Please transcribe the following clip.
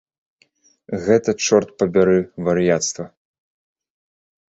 Гэта, чорт пабяры, вар'яцтва.